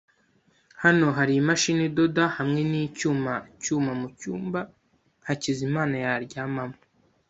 Hano hari imashini idoda hamwe nicyuma cyuma mucyumba Hakizimana yaryamamo.